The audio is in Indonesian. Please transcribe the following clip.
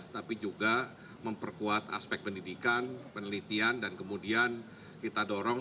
tapi juga memperkuat aspek pendidikan penelitian dan kemudian kita dorong